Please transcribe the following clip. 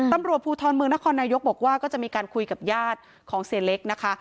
ตำรวจภูทรเมืองนครนายกบอกว่าก็จะมีการคุยกับญาติของเสียเล็กนะคะ